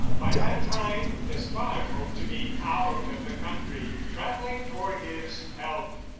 By that time Despard hoped to be out of the country—travelling for his health!